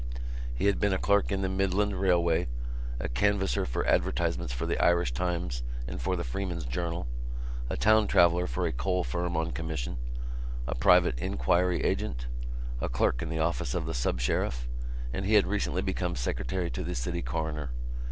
He had been a clerk in the Midland Railway, a canvasser for advertisements for The Irish Times and for The Freeman's Journal, a town traveller for a coal firm on commission, a private inquiry agent, a clerk in the office of the Sub Sheriff and he had recently become secretary to the City Coroner.